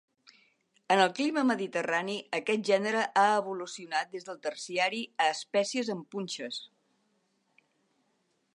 En el clima mediterrani aquest gènere ha evolucionat des del Terciari a espècies amb punxes.